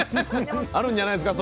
あるんじゃないですか？